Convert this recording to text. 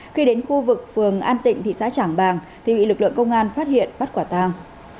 khi đến khu vực phường an tịnh thị xã trảng bàng thì bị lực lượng công an phát hiện bắt quả tàng